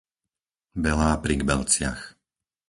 Belá pri Gbelciach